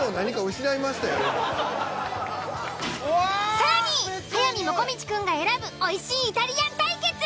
更に速水もこみちくんが選ぶおいしいイタリアン対決。